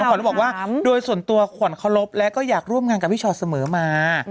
ขวัญก็บอกว่าโดยส่วนตัวขวัญเคารพและก็อยากร่วมงานกับพี่ชอตเสมอมา